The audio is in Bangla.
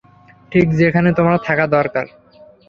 ঠিক যেখানে তোমার থাকা দরকার।